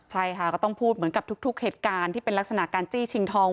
ใช่ค่ะก็ต้องพูดเหมือนกับทุกเหตุการณ์ที่เป็นลักษณะการจี้ชิงทอง